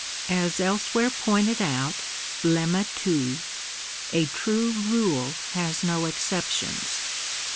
As elsewhere pointed out (Lemma II.), a true rule has no exceptions.